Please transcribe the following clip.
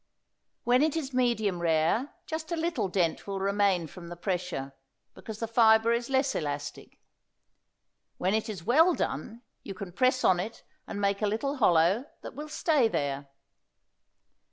When it is medium rare just a little dent will remain from the pressure, because the fibre is less elastic. When it is well done you can press on it and make a little hollow that will stay there.